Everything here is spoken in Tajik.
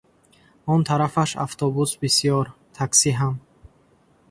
Он тарафаш автобус бисёр, таксӣ ҳам.